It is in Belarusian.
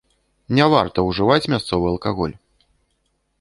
Не варта ўжываць мясцовы алкаголь.